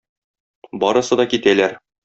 Барысы да китәләр.